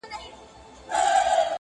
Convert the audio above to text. سړي وویل زما ومنه که ښه کړې!!